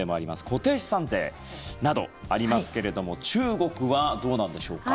固定資産税などありますけれども中国はどうなんでしょうか。